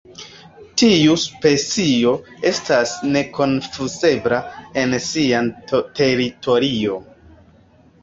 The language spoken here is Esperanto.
Tiu specio estas nekonfuzebla en sia teritorio.